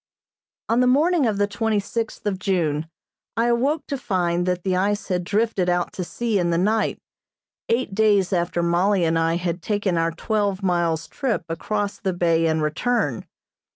On the morning of the twenty sixth of June I awoke to find that the ice had drifted out to sea in the night, eight days after Mollie and I had taken our twelve miles trip across the bay and return.